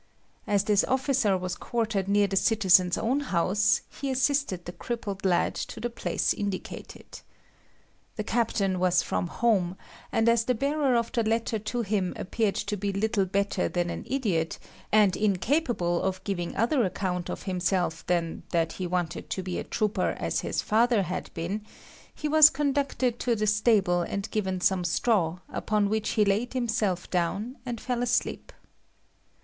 As this officer was quartered near the citizen's own house, he assisted the crippled lad to the place indicated. The captain was from home, and as the bearer of the letter to him appeared to be little better than an idiot, and incapable of giving other account of himself than that he wanted to be a trooper as his father had been, he was conducted to the stable and given some straw, upon which he laid himself down and fell asleep.